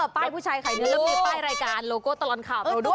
ป้ายผู้ชายขายเนื้อแล้วมีป้ายรายการโลโก้ตลอดข่าวเราด้วย